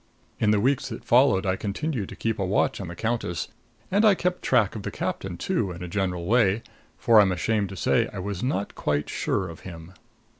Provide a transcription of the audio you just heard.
In the weeks that followed I continued to keep a watch on the countess; and I kept track of the captain, too, in a general way, for I'm ashamed to say I was not quite sure of him."